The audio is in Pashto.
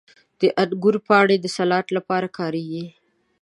• د انګورو پاڼې د سالاد لپاره کارېږي.